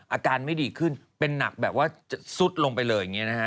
อาการไม่ดีขึ้นเป็นหนักแบบว่าซุดลงไปเลยอย่างนี้นะฮะ